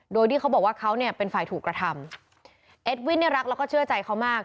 โดยที่เขาบอกว่าเขาเนี่ยเป็นฝ่ายถูกกระทำเอ็ดวินเนี่ยรักแล้วก็เชื่อใจเขามาก